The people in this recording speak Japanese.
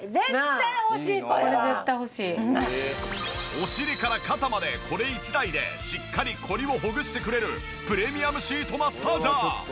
お尻から肩までこれ１台でしっかりコリをほぐしてくれるプレミアムシートマッサージャー。